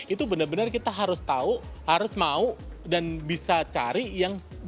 itu benar benar kita harus tahu harus mau dan bisa cari yang